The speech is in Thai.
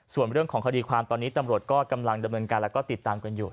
ส่วนเรื่องของคดีความตอนนี้ตำรวจก็กำลังดำเนินการแล้วก็ติดตามกันอยู่